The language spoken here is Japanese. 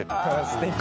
すてき。